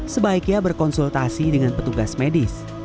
sebaiknya berkonsultasi dengan petugas medis